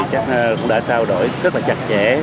cũng đã trao đổi rất là chặt chẽ